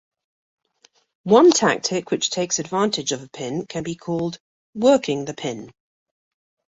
One tactic which takes advantage of a pin can be called "working the pin".